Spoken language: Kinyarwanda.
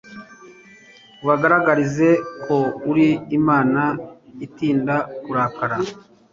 ubagaragariza ko uri imana itinda kurakara